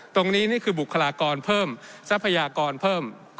นี่คือบุคลากรเพิ่มทรัพยากรเพิ่ม